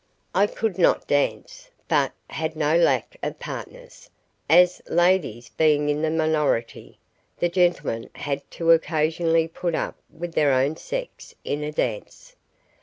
I could not dance, but had no lack of partners, as, ladies being in the minority, the gentlemen had to occasionally put up with their own sex in a dance.